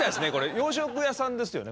洋食屋さんですよね？